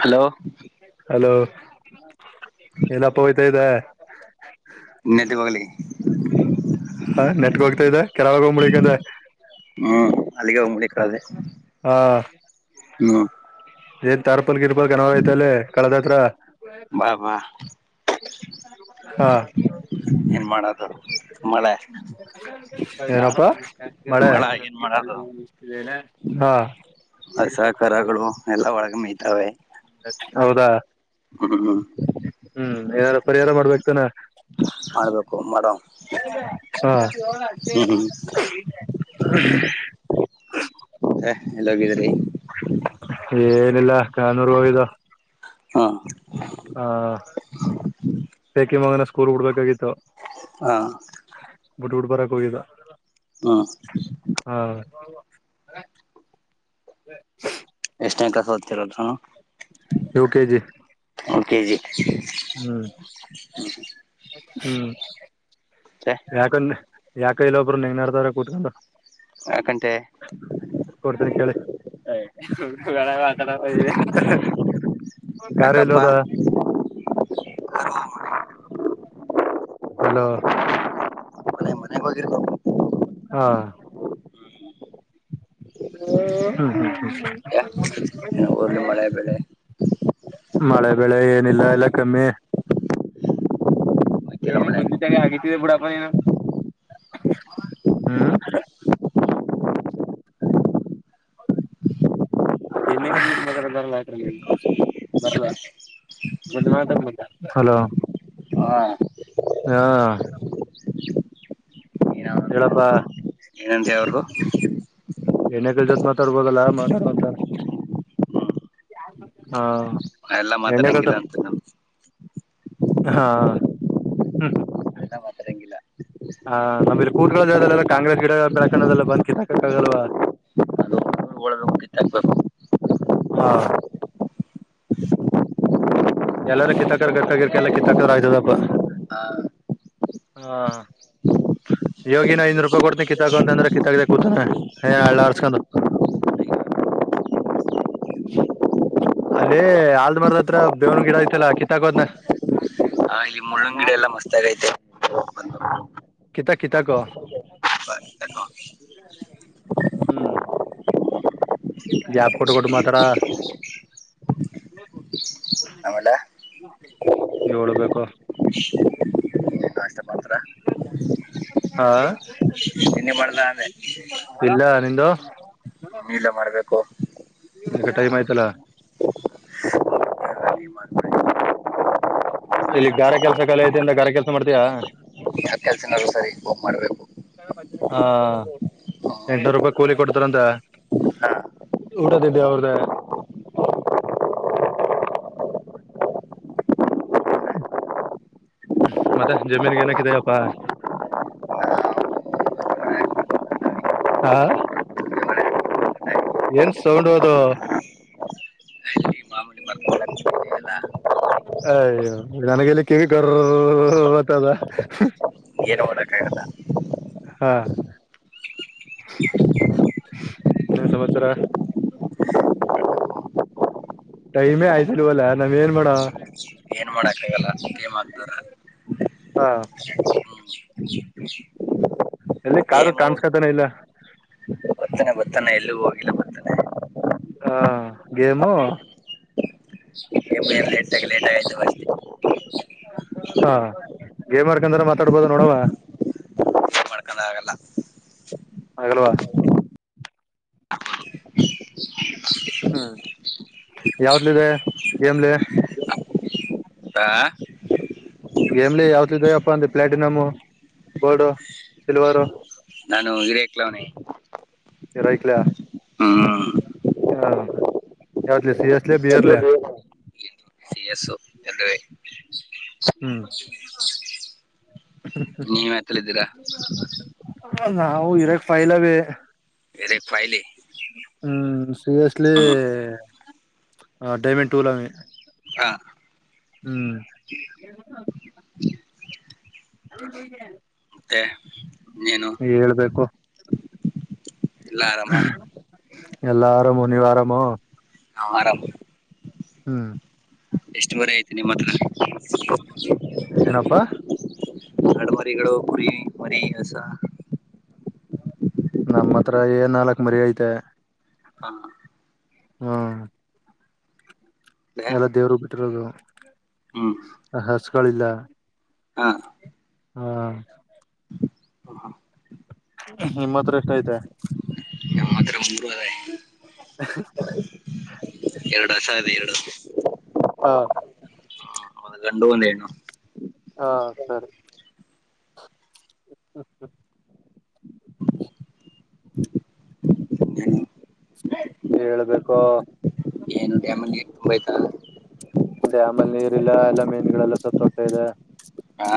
Hello. Hello [inaudible] ಎಲ್ಲಪ್ಪ ಹೋತಾ ಇದ್ದೆ. ಎತ್ತ್ ಹೋಗ್ಲಿ. ಹ ನೆಟ್ಗ ಹೋಗ್ತಾ ಇದ್ದ ಕೆಲವೋಗ್ಬಿಡಿಕದ. ಹ್ಮ್ ಅಲ್ಲಿಗೆ ಹೋಗಆಮ್ ನಡಿ ಕಡದೆ ಹ [inaudible] ಹ್ಮ್ ಏನ್ ತಾರ್ಪಲ್ ಇರ್ಪಲ್ [unintelligible] ಕಳೆದತ್ರ ಬಾ ಬಾ. ಹ ಏನ್ ಮಾಡದರ ಮಳೆ. ಏನಪ್ಪ ಮಳೆ ಏನ್ ಮಾಡೋದು ಹಾ. ಹೊಸಖರಗಳು ಎಲ್ಲಾ ಒಳಗ ಮೇಯತಾವೆ. ಹೌದಾ. ಹ್ಮ್ಮ್. ಹ್ಮ್ ಯಾರು ಪರಿಹಾರ ಮಾಡ್ಬೇಕತಾನ. ಮಾಡ್ಬೇಕು ಮಾಡವ. ಹ್ಮ್ಮ್ ಹ್ಮ್ [unintelligible] ಹ ಎಲ್ಲ ಹೋಗಿದ್ರಿ. ಏನಿಲ್ಲಾ ಕನೂರುೂ ಇದು. ಹಾ. ಹ ಟೇಕೆ ಮಗನ ಸ್ಕೂರ್ ಬಿಡ್ಬೇಕಾಗಿತ್ತು. ಹಾ. ಬಿಡ್ ಡ್ ಬರಕ್ ಹೋಗಿದ್ದ [inaudible] ಹಾ [unintelligible] [unintelligible] you K G O K G ಹ್ಮ್ [inaudible] ಹ್ಮ್ ಯಾಕ ಯಾಕ ಇಲ್ಲ ಒಬ್ರು ಹೆಂಗರ್ತಾರ ಕುೂತ್ಕೊಂಡ. ಯಾಕಂತೆ. ಗಣ ಮಾತಡ ಬ [unintelligible] ಕಾರ್ಯ ಯಾಕಪ್ಪ ಲ್ಲೋದ. [inaudible] ಹಲೋ. ನಿಮ್ ಮನೆಗ್ [unintelligible] ಹಾ. ಹ್ಮ್ಮ್ [unintelligible] [unintelligible] ಊರ್ಲ್ಲಿ ಮಳೆ ಬೆಳೆ ಮಳೆ ಬೆಳೆ ಏನಿಲ್ಲ ಎಲ್ಲ ಕಮ್ಮಿ. ಮಕ್ಕಿಲ್ಲ ಏನು ಮಳೆ ಗುದ್ದಿದ್ದಾನ ಆಗಿತ್ತು. ಇ ಬಡಾಪನಏನ [inaudible] ಹ್ಮ್ [unintelligible] [unintelligible] [unintelligible] ಹಲೋ ಹ ಹಾ ಹೇಳಪ್ಪಾ ಒಂದು ಏನಂತ ಅವ್ರಗೂ ಜೊತೆ ಮಾತಾಡ್ಬೋದಲ್ಲ ಮಾತಾಡುವಂತ ಹಾ ಎಲ್ಲಾ ಎಣ್ಣೆಕಲ್ ಮಾತಾಡಂಗಿಲ್ಲ ಅಂತ ನಾ ಹಾ ಹ್ಮ್ ಹ್ಮ ಎಲ್ಲಾ ಮಾತಾಡಗಿಲ್ಲ ಹಾ ನಮಲ್ಲಿ ಕೂತ್ಗಳ ಜಾಗದಲ್ಲೆಲ್ಲ ಕಾಂಗ್ರೆಸ್ ಗಿಡ ಬೆಲ್ಕಂಡದಾಳ ಬಂದ್ ಕಿತ್ಾಕಕ್ಕ ಆಗಲ್ವಾ ಒಬೇಕಿತ್ತ ಹಾಕ್ಬೇಕು ಹಾ ಎಲ್ಲಾರೂ ಕಿತ್ತಾಕರ್ ಗರ್ಕ ಗಿರ್ಕ ಎಲ್ಲ ಕಿತ್ತಾಕದ ಆಯ್ತದಪ್ಪ ಹಾ ಹಾ ಯೋಗಿನ ಐನೂರೂಪಾಯಿ ಕೊಡ್ತೀನಿ ಕಿತ್ತಾಕು ಅಂದ್ರೆ ಕಿತ್ತಾಕ್ದೆ ಕೂತಾನ ಅಳ್ಳ ಅರ್ಸ್ಕೊಂಡು [unintelligible] [unintelligible] ಅಲ್ಲೇ ಆಲ್ದ ಮಾರದತ್ರ ಬೇವ್ನ ಗಿಡ ಐತಲ್ಲ ಕಿತ್ತಾಕ್ ಹೋದ್ನ ಮುಳ್ಳುಂಗಡಡೆ ಎಲ್ಲ ಮಸ್ತ ಆಗಿಐತೆ ಕಿತ ಕಿತ್ತಾಕು ಹ್ಮ್ ಗ್ಯಾಪ್ ಕೊಟ್ಟು ಕೊಟ್ಟು ಮಾತಾಡ [unintelligible] ಆಮೇಲೆ ಏಳು ಬೇಕು [unintelligible] ಮಾತ್ರ ಹಾ ತಿನ್ನಿ ಮಾಡ್ದ [unintelligible] ಇಲ್ಲ ನಿಂದು ನೀಲ ಮಾಡ್ಬೇಕು ಈ ಟೈಮ ಆಯ್ತಲ್ಲ ಇಲ್ಲಿ ಗಾರೆ ಕೆಲ್ಸ ಕಲೆ ಐತಿ ಅಿಂದ ಗಾರೆ ಕೆಲ್ಸ ಮಾಡ್ತೀಯಾ ಆ ಕೆಲ್ಸಿನರು ಸರಿ ಹೋಗ ಮಾಡ್ಬೇಕು ಹಾ ಎಂಟನೂರು ರೂಪಾಯಿ ಕೂಲಿ ಕೊಡ್ತಾರಂತ ಹಾ ಊಟ ತಿಂಡಿ ಅವ್ರ್ದೆ ಹ್ಮ [unintelligible] ಮತ್ತೆ ಜಮೀನ್ಗ ಏನಕ್ಕಿದಪ್ಪಾ ಹಾ ಏನ್ ಸೌಂಡ್ ಅದು ಲ್ಲ [unintelligible] ಅಯ್ಯೋ ನನಗೆಲ್ಲಿ ಕಿವಿಕಾರ್ ಅಂತ್ತದ ಏನು ಮಾಡೋಕಾಗಲ್ಲ ಹಾ ಇನೇನ್ ಸಮಾಚಾರ ಟೈಮೇ ಆಯ್ತಿಲ್ವಲ್ಲಾ ನಾವ್ ಏನ್ ಮಾಡವ್ ಎಲ್ಲ ಸುಮ್ನೆಮಕ್ದಾರ. ಹಾ ಎಲ್ಲಿ ಕಾರು ಕಾಣಸ್ಕತಾನೆ ಇಲ್ಲ ಬತ್ತನೆ ಬತ್ತಾನೆ ಎಲ್ಲಿಗ ಹೋಗಿಲ್ಲ ಬರ್ತ್ತಾನೆ ಹಾ ಗೇಮು ೇಟ್ ಲೇಟ್ ಆಗ [unintelligible] ಹಾ ಗೇಮ್ರ್ಕಂದ್ರೆ ಮಾತಾಡ್ಬೋದ ನೋಡವ ಮಾಡ್ಕೊಂಡ ಆಗಲ್ಲ ಆಗಲ್ವ ಹ್ಮ್ ಯಾವ್ದಲ ಇದೆ ಮ್ಲಿ [unintelligible] ಆ ಗೇಮ್ಲಿ ಯಾವತ್ ಇದವಪ್ಪ ಅಂದ ಪ್ಲಾಟಿನಮು ಬೋಲ್ಡು ಸಿಲ್ವರು ನಾನು ಹಿರಕ್ಲವನೇ. ಇರ ಇಕ್ಲ. ಹಾ ಯಾವತ್ ಸಿ ಎಸ್ಲೆ ಬಿರ್. ಸ ಅಸ್ಸು. ಹ್ಮ್. ನೀವ್ ಯಾತ್ತರದಲಿದಿರ. ನಾವು ಇರಕ್ ಪೈಲವಿ. ಹಿರೇಕ್ ಫೈಲಿ. ಹ್ಮ್ ಸೀರಿಯಸ್ಲಿ ಹ್ಮ್ ಡೈಮಂಡ್ ಟೂಲಾಮ. ಹಾ ಹ್ಮ್. ಮತ್ತೆ ನೀನು ಹೇಳ್ಬೇಕು. ಎಲ್ಲಾ ಆರಾಮ. ಎಲ್ಲಾ ಆರಾಮು ನೀವ್ ಆರಾಮು. ಹ ಆರಾಮ. ಹ್ಮ್. ಎಷ್ಟ ಮರೆ ಐತೆ ನಿಮ್ಮ ಹತ್ರ. ಏನಪ್ಪಾ. ಗಡಮರಿಗಳುಡ ಬರಿ ಮರಿ ಹಸ. ನಮ್ಮ ಹತ್ರ ಏನ್ ನಾಲ್ಕ್ ಮರಿ ಐತೆ. ಹಾ. ಹಾ. ಎಲ್ಲ ದೇವರು ಬಿಟ್ಟಿರೋದು ಹ್ಮ್ ಹಸಗಳಿಲ್ಲ. ಹಾ ಹಾ. ನಿಮ್ಮತ್ರ ಎಷ್ಟಐತೆ. ನಮ್ಮ ಹತ್ರ ಮೂರು ಅದೆ [unintelligible] ಎರಡುಸ ಅದೆ ಎರಡು. ಹಾ. ಒಂದ್ ಗಂಡು ಒಂದು ಹೆಣ್ಣು. ಹಾ ಸರಿ. ಹ. ಹೆಣ್ಣು ಹೇಳ್ಬೇಕೋ. ತುಂಬ ಆಯತ. ಡ್ಯಾಮ್ ಅಲ್ಲಿ ನೀರ್ಲ್ಲ ಎಲ್ಲ ಮೀನ್ಗಳೆಲ್ಲ ಸಾತೊಗ್ಇದೆ. ಹಾ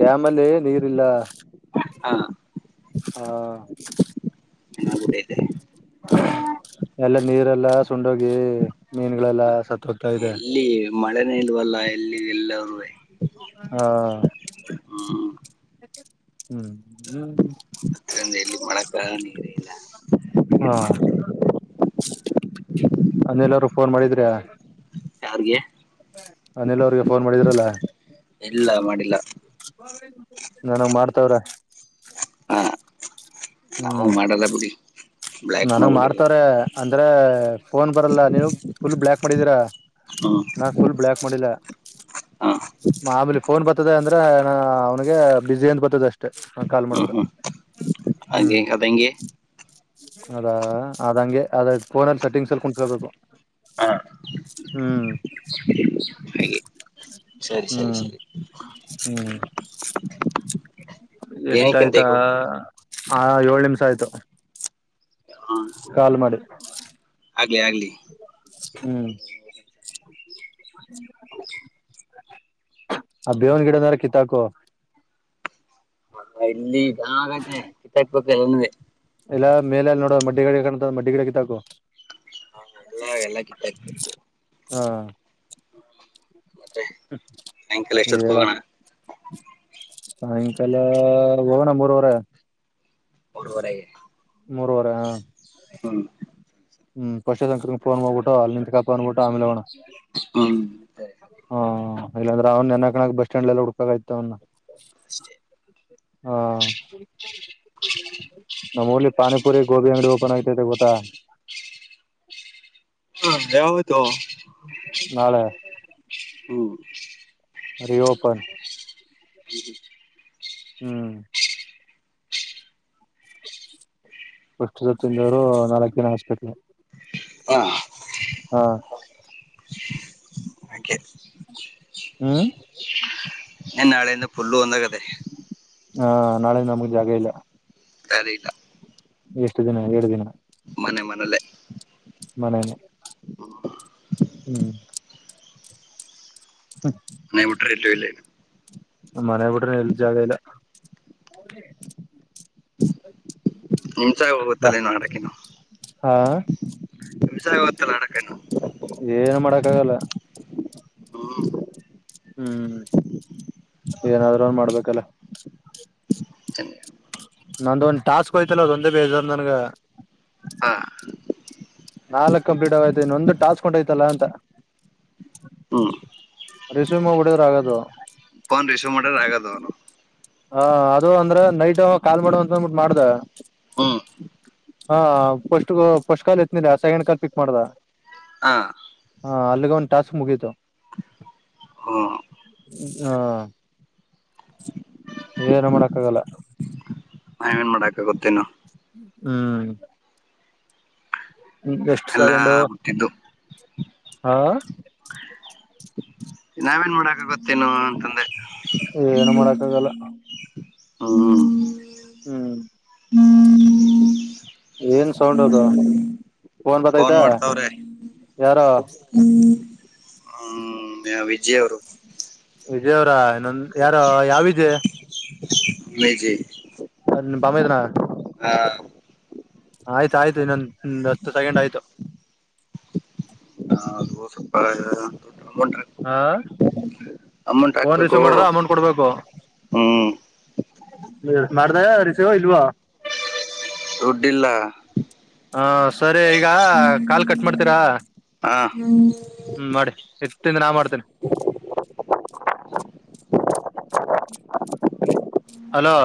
ಡ್ಯಾಮ್ ಅಲ್ಲಿ ನೀರಿಲ್ಲ. ಹಾ ಹಾ. [unintelligible] ಹ. ಎಲ್ಲ ನೀರೆಲ್ಲ ಸೂನ್ಡೋಗಿ ಮೀನುಗಳೆಲ್ಲಾ ಸತ್ತ ಹೋಗ್ತಾ ಇದೆ. ಎಲ್ಲಿ ಮಳೆನೇ ಇಲ್ವಲ್ಲ ಎಲ್ಲಿ ಎಲ್ಲರೂ. ಹಾ. ಹ್ಮ್ ಹ್ಮ್ ನೀರಲ್ಲ. ಹಾ ಅನ್ನೆಲ್ಲ್ರು ಫೋನ್ ಮಾಡಿದ್ರೆ. ಯಾರ್ಗೆ ಅನಿಲ್ ಅವ್ರಿಗೆ ಫೋನ್ ಮಾಡಿದ್ರಲ್ಲ. ಇಲ್ಲ ಮಾಡಿಲ್ಲ. ನಾನ ಮಾಡ್ತಾವ್ರೇ. ನಾವ್ ಮಾಡಲ್ಲ ಬಿಡಿ. ಬ್ಲ್ಯಾಕ್ ನನಗ್ ಮಾಡ್ಬಿಟ್ಟಿದೀನಿ ಮಾಡ್ತಾರೆ ಅಂದ್ರೆ. ಫೋನ್ ಬರಲ್ಲ ನೀವು ಫುಲ್ ಬ್ಲ್ಯಾಕ್ ಮಾಡಿದೀರಾ ಹ್ಮ್ ನನ್ ಫುಲ್ ಬ್ಲಯಾಕ್ ಮಾಡಿಲ್ಲ. ಹಾ ಆಮೇಲಿ ಫೋನ್ ಬತ್ತದೆ ಅಂದ್ರೆ ಅವ್ನಿಗೆ ಬಿಝಿ ಅಂದ್ ಬತ್ತದೇ ಅಷ್ಟೇ ಕಾಲ್ ಮಾಡದ್ರೆ. [unintelligible] ಹಂಗೆಂಗ ಅದೆಂಗೆ. ಅದಾ ಅದ ಹಂಗೆ ಅದ ಫೋನಲ್ಲಿ ಸೆಟ್ಟಿಂಗ್ಸ್ ಎಲ್ಲಿ ಕುಂತಿರ್ಬೇಕು. ಹಾ ಹ್ಮ್ ಹಾಗೆ ಸರಿ ಸರಿ ಹ್ಮ್ ಸರಿ ಹ್ಮ್ ಎಷ್ಟ ಏನಕ್ಕಂತ ಆಯ್ತಾ ಈಗ ಹೋಗ್ ಆ ಏಳ್ ನಿಮ್ಶಾ ಆಯ್ತು. ಹಾ ಕಾಲ್ ಮಾಡಿ. ಆಗ್ಲಿ ಆಗ್ಲಿ. ಹ್ಮ್ ಆ ಬೇವನ್ ಗಿಡದಾರ ಕಿತಾಕು. ಹ ಇಲ್ಲಿ ಜಾ ಆಗೈತೆ ಕಿತ್ತಾಕ್ ಬೇಕ್ ಅದುನುವೆ. ಇಲ್ಲಾ ಮೇಲೆ ನೋಡು ಮಡ್ಡಿ ಗಡೆ ಕಾಣತ ಮಡ್ಡಿ ಗಿಡ ಕಿತ್ತಾಕು. ಹಾ ಎಲ್ಲ ಎಲ್ಲ ಕಿತ್ತಾಕ್ಬೇಕು ಹಾ ಮತ್ತೆ ಸಾಯಂಕಾಲ ಎಷ್ಟೊತ್ಕ ಹೇಳ ಹೋಗೋಣ. ಸಾಯಂಕಾಲ ಹೋಗಣ ಮೂರೂವರೆ. ಮೂರೂವರೆಗೆ. ಮೂರುವರೆ ಹಾ. ಹ್ಮ್ ಪಶೋದ ಅಂಕಲ್ಗ ಫೋನ್ ಮಾಡ್ಬಿಟ್ಟು ಅಲ್ಲಿ ನಿಂತ್ಕೋ ಬನ್ನಬಿಟ್ಟು ಆಮೇಲೆ ಹೋಗಣ. ಹ್ಮ್ ಸರಿ ಸರಿ ಇಲ್ಲ ಅಂದ್ರ ಅವನ್ ನೆನ್ ಹಾಕೋಕ ಬಸ್ ಸ್ಯಾಂಡ್ಲೆಲ್ಲ ಹುಡುಕ್ಬೇಕ್ ಆಯ್ತದ ಅವ್ನಾ. ಅಷ್ಟೇ. ಹಾ ನಮ್ಮ ಉರ್ಲಿ ಪಾನಿಪುರಿ ಗೋಬಿ ಅಂಗಡಿ ಓಪನ್ ಐತೆತೆ ಗೊತ್ತಾ. ಹಾ ಯಾವಾಗ ಆಯ್ತು. ನಾಳೆ. ಹಂ. ರಿಒಪಾ [unintelligible] ಹ್ಮ್ ಫಸ್ಟ್ ದಿನಾ ತಿಂದವ್ರೂ ನಾಲ್ಕ ದಿನ ಹಾಸ್ಪಿಟ್ಲ್. ಹಾ ಹಾ ಹಾಗೆ. ಹ್ಮ್ ಏನ್ ನಾಳೆಯಿಂದ ಫುಲ್ಲು ಒಂದಾಗದೆ. ಹಾ ನಾಳೆ ನಮಗ್ ಜಾಗಾ ಇಲ್ಲಾ. ದಾರಿ ಇಲ್ಲಾ. ಎಷ್ಟ ದಿನ ಎರಡ ದಿನ. ನಲ್ಲೇ. ಮನೆನೆ ಹ್ಮ್. ಹಂ ಮನೆ ಬಿಟ್ರೆ ಇಲ್ಲೆ ಇಲ್ಲೆ. ಮನೆ ಬಿಟ್ರೆ ಎಲ್ಲಿ ಜಾಗಾ ಇಲ್ಲಾ. ನಿಮ್ಸಾಗ ಬಾ ಹೋಗುತ್ತಲ್ಲೇನು ಆಡಕೇನು ಹಾ ನಿಮ್ಸಾಗ ಹೋಗುತ್ತಲ್ಲ ಆಡಕೇನು ಏನ್ ಮಾಡಕ್ಕ ಆಗಲ್ಲ. ಹ್ಮ ಹ್ಮ್ ಏನಾದ್ರೂ ಒಂದ್ ಮಾಡ್ಬೇಕಲ್ಲ. ನಂದ ಒಂದ್ ಟಾಸ್ಕ್ ಹೋಯ್ತಲ್ಲ ಅದೊಂದೇ ಬೇಜಾರ್ ನನ್ಗ ಹಾ ನಾಲ್ಕ್ ಕಂಪ್ಲೀಟ್ ಆಗೈತೆ ಇನ್ನೊಂದು ಟಾಸ್ಕ್ ಹೊಂಟೈ್ತಲ್ಲ ಅಂತ ಹ್ಮ್ ರಿಷಮ ಬಡಿಯವ್ರು ಆಗದು ಫೋನ್ ರಿಸೀವ್ ಮಾಡ್ರ ಆಗದು ಅವನು ಹ ಅದು ಅಂದ್ರ ನೈಟ್ ಕಾಲ್ ಮಾಡುವಂತ ಅಂದ್ಬಿಟ್ಟ ಮಾಡ್ದ ಹ್ಮ್ ಹಾ ಸ್ಟ್ ಫಸ್ಟ್ ಕಾಲ್ ಎತ್ನಿಲ್ಲ ಸೆಕಂಡ್ ಕಾಲ್ ಪಿಕ್ ಮಾಡ್ದ ಹಾ ಹಾ ಅಲ್ಲಿಗೆ ಒಂದ ಟಾಸ್ಕ್ ಮುಗೀತು ಹ್ಮ್ ಹಾ ಏನ ಮಾಡಕ್ಕಾಗಲ್ಲ ನಾವ ೇನ್ ಮಾಡಕ ಗೊತ್ತೇನು ಹ್ಮ್ ್ಮ ಎಷ್ಟು ಎಲ್ಲಾ ಸಕೆಂಡು ಬಿಟ್ಟಿದ್ದು ಹಾ ನಾವೇನ್ ಮಾಡಕ ಗೊತ್ತೇನು ಅಂತಂದೆ ಏನು ಮಾಡಕ್ ಆಗಲ್ಲ ಹ್ಮ ಹ್ಮ್ ಏನ್ ಸೌಂಡ ಅದು ಫೋನ್ ಬತೈ್ತ ಯಾರ ವಿಜಯರು ವಿಜಯವ್ರ ಇನ್ನೊಂದ ಯಾರ ಯಾವಿದೆ ಮಜಿ ನಿ ಬಮ್ಮದನ ಹಾ ಆಯ್ತ ಆಯ್ತು ಇನ್ನೊಂದ ಹತ್ತು ಸೆಕೆಂಡ್ ಆಯ್ತು [unintelligible] ಹಾ ಅಮೌಂಟ್ ಫೋನ್ ಹಾಕ್ಬೇಕು ರಿಸೀವ್ ಮಾಡ್ರ ಅಮೌಂಟ್ ಕೊಡ್ಬೇಕು ಹ್ಮ್ ಮಾಡ್ದ ರಿಸವ ಇಲ್ವಾ ಉಡಿಿಲ್ಲ ಹಾ ಸರಿ ಈಗ ಕಾಲ್ ಕಟ್ ಮಾಡ್ತೀರಾ ಹಾ ಹ್ಮ್ ಎತ್ತಿಂದ ನಾ ಮಾಡ್ತೇನೆ ಹಲೋ